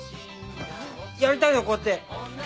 やりたいのこうやって。